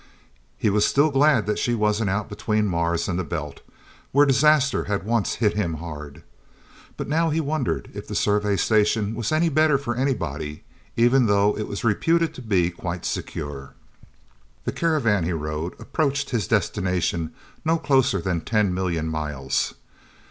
He was still glad that she wasn't out between Mars and the Belt, where disaster had once hit him hard. But now he wondered if the Survey Station was any better for anybody, even though it was reputed to be quite secure. The caravan he rode approached his destination no closer than ten million miles.